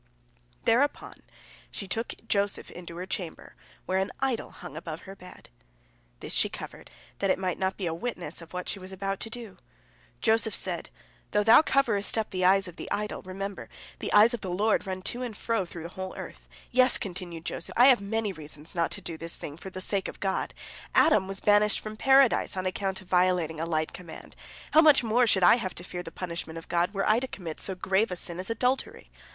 Thereupon she took Joseph into her chamber, where an idol hung above the bed. This she covered, that it might not be a witness of what she was about to do. Joseph said: "Though thou coverest up the eyes of the idol, remember, the eyes of the Lord run to and fro through the whole earth. Yes," continued Joseph, "I have many reasons not to do this thing for the sake of God. Adam was banished from Paradise on account of violating a light command; how much more should I have to fear the punishment of God, were I to commit so grave a sin as adultery!